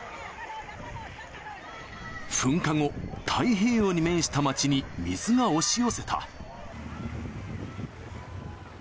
噴火後、太平洋に面した町に水が押し寄せた。